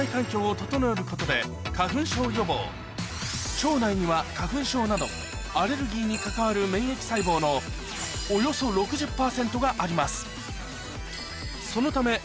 腸内には花粉症などアレルギーに関わる免疫細胞のおよそ６０％があります